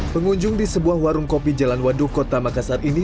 pengunjung di sebuah warung kopi jalan waduh kota makassar ini